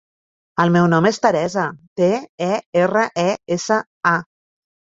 El meu nom és Teresa: te, e, erra, e, essa, a.